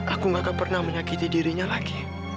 aku gak akan pernah menyakiti dirinya lagi